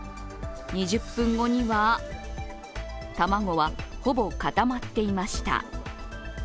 ２０分後には、卵はほぼ固まっていました。